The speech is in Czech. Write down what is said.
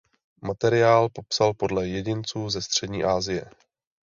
Materiál popsal podle jedinců ze střední Asie.